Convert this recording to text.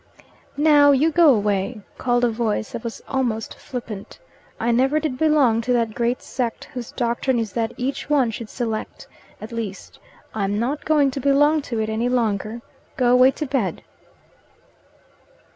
"Now, you go away!" called a voice that was almost flippant. "I never did belong to that great sect whose doctrine is that each one should select at least, I'm not going to belong to it any longer. Go away to bed."